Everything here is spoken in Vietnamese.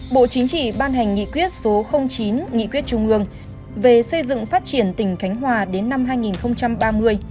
bộ chính trị ban hành nghị quyết số chín nghị quyết trung ương về xây dựng phát triển tỉnh khánh hòa đến năm hai nghìn ba mươi